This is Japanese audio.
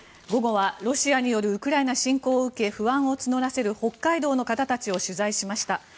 午後はロシアによるウクライナ侵攻を受け不安を募らせる北海道の方々を取材しました。